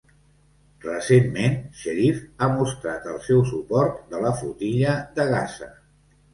Recentment, Cherif ha mostrat el seu suport de la Flotilla de Gaza.